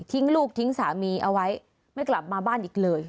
ลูกทิ้งสามีเอาไว้ไม่กลับมาบ้านอีกเลย